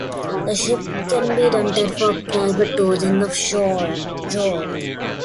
The ship can be rented for private tours in the fjord.